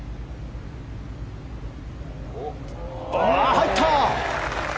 入った！